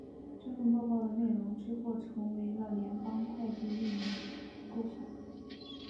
这份报告的内容之后成为了联邦快递营运的构想。